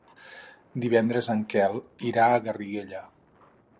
Divendres en Quel irà a Garriguella.